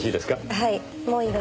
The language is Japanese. はい。